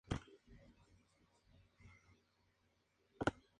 El tema conductor fue su canción "Male d'amore".